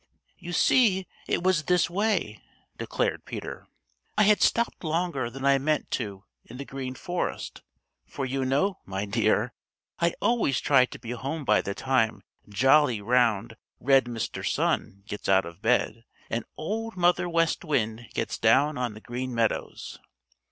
"You see, it was this way," declared Peter. "I had stopped longer than I meant to in the Green Forest, for you know, my dear, I always try to be home by the time jolly, round, red Mr. Sun gets out of bed and Old Mother West Wind gets down on the Green Meadows."